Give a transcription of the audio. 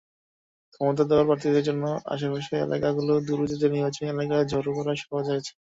ক্ষমতাধর প্রার্থীদের জন্য আশপাশের এলাকাগুলোর দুর্বৃত্তদের নির্বাচনী এলাকায় জড়ো করা সহজ হয়েছে।